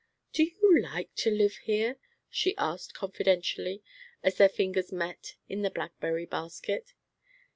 "Do you like to live here?" she asked confidentially, as their fingers met in the blackberry basket.